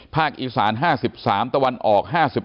อีสาน๕๓ตะวันออก๕๓